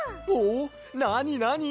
なになに？